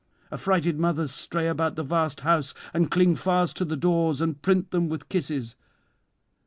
Affrighted mothers stray about the vast house, and cling fast to the doors and print them with kisses.